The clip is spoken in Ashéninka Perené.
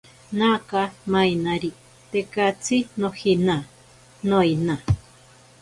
Naka mainari tekatsi nojina, noina.